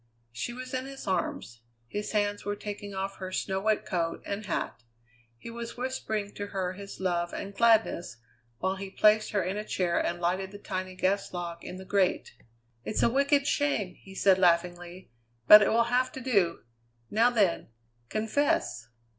She was in his arms; his hands were taking off her snow wet coat and hat. He was whispering to her his love and gladness while he placed her in a chair and lighted the tiny gas log in the grate. "It's a wicked shame!" he said laughingly; "but it will have to do. Now then, confess!"